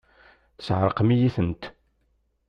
Tesεeṛqem-iyi-tent!